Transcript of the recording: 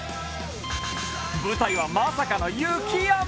舞台は、まさかの雪山。